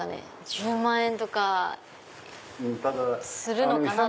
１０万円とかするのかなって。